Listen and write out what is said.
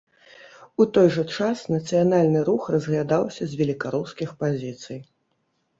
У той жа час нацыянальны рух разглядаўся з велікарускіх пазіцый.